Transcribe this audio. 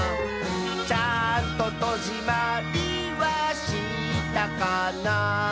「ちゃんととじまりはしたかな」